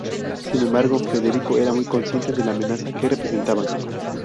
Sin embargo, Federico era muy consciente de la amenaza que representaban.